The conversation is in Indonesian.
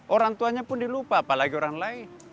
orang tuanya pun dilupa apalagi orang lain